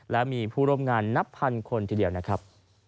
และมีผู้ร่วมงานนับพันคนทีเดียวนะครับ